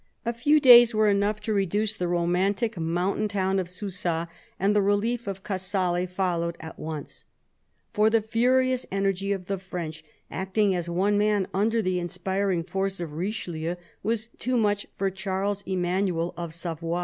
A few days were enough to reduce the romantic moun tain town of Susa, and the relief of Casale followed at once ; for the furious energy of the French, acting as one man under the inspiring force of Richelieu, was too much for Charles Emmanuel of Savoy.